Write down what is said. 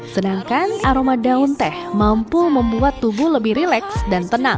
sedangkan aroma daun teh mampu membuat tubuh lebih rileks dan tenang